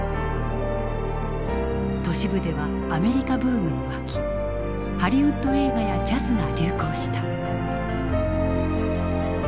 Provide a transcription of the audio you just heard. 都市部ではアメリカブームに沸きハリウッド映画やジャズが流行した。